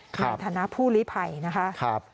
ในฐานะผู้ลิภัยนะคะ